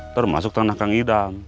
termasuk tanah kang ida